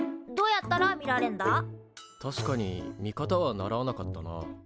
確かに見方は習わなかったな。